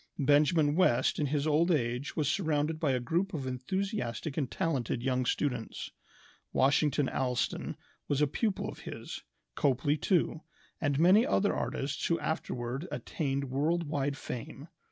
Benjamin West in his old age was surrounded by a group of enthusiastic and talented young students. Washington Allston was a pupil of his, Copley too, and many other artists who afterward attained world wide fame.